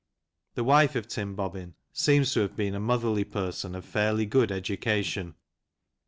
The wife of Tim Bobbin seems to have been a motherly person of fairly good education.